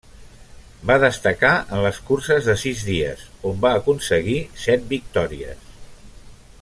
Va destacar en les curses de sis dies on va aconseguir set victòries.